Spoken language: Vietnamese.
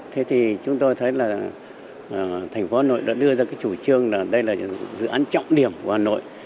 thế thì chúng tôi thấy là thành phố hà nội đã đưa ra cái chủ trương là đây là dự án trọng điểm của hà nội